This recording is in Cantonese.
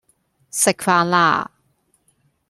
食飯啦!